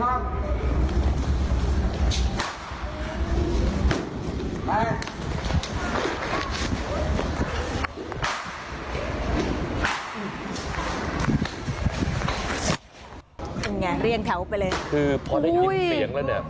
เป็นไงเรียกแถวไปเลยคือพอได้ยินเสียงแล้วเนี่ย